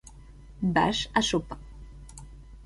Bach à Chopin.